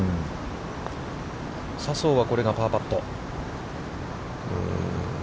笹生は、これがパーパット。